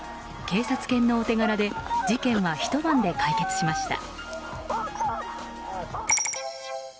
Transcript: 警察犬のお手柄で事件は一晩で解決しました。